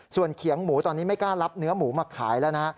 ส่วนเขียงหมูตอนนี้ไม่กล้ารับเนื้อหมูมาขายแล้วนะ